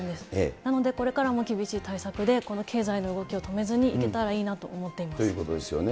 なのでこれからも厳しい対策でこの経済の動きを止めずにいけたらということですよね。